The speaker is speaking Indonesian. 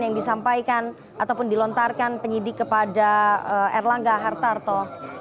yang disampaikan ataupun dilontarkan penyidik kepada erlangga hartarto